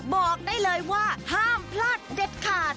บอกได้เลยว่าห้ามพลาดเด็ดขาด